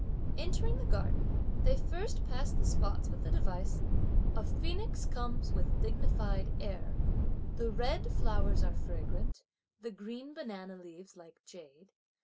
Entering the garden, they first passed the spots with the device "a phoenix comes with dignified air," "the red (flowers are) fragrant and the green (banana leaves like) jade!"